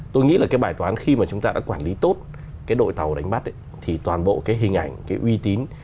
tôi nghĩ là cái bài toán khi mà chúng ta đã quản lý tốt cái đội tàu đánh bắt thì toàn bộ cái hình ảnh cái uy tín